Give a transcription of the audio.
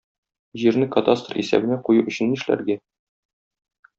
Җирне кадастр исәбенә кую өчен нишләргә?